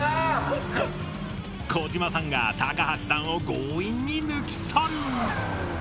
児嶋さんが高橋さんを強引に抜き去る！